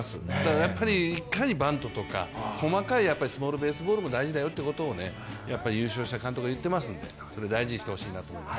やっぱりいかにバントとか細かいスモールベースボールも大事だよということを優勝した監督が言ってますんで大事にしてほしいです。